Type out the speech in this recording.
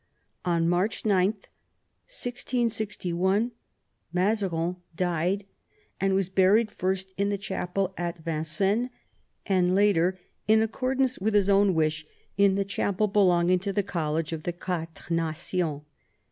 On March 9, 1661, Mazarin died, and was buried first in the chapel at Vincennes, and later, in accordance with his own wish, in the chapel belonging to the College of the Quatre Nations.